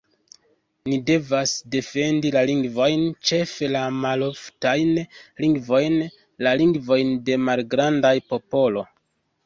Ni devas defendi la lingvojn, ĉefe la maloftajn lingvojn, la lingvojn de malgrandaj popolo.